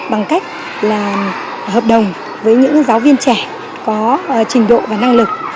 bằng cách là hợp đồng với những giáo viên trẻ có trình độ và năng lực